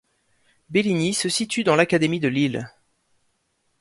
Bellignies se situe dans l'académie de Lille.